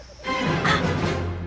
あっ！